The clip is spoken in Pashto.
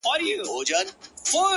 پدرلعنته حادثه ده او څه ستا ياد دی،